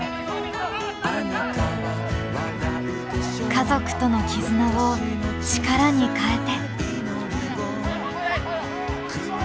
家族との絆を力に変えて。